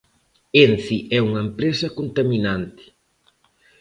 Ence é unha empresa contaminante.